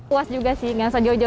puas juga sih nggak usah jauh jauh